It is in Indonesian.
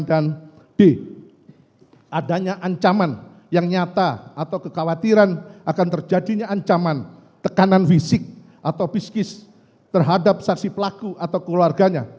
dan d adanya ancaman yang nyata atau kekhawatiran akan terjadinya ancaman tekanan fisik atau fisikis terhadap saksi pelaku atau keluarganya